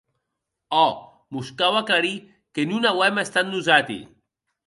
Òc, mos cau aclarir que non auem estat nosati.